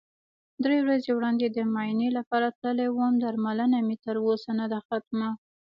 درې ورځې وړاندې د معاینې لپاره تللی وم، درملنه مې تر اوسه نده ختمه.